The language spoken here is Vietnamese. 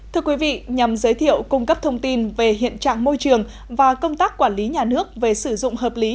thưa quý vị nhằm giới thiệu cung cấp thông tin về hiện trạng môi trường và công tác quản lý nhà nước về sử dụng hợp lý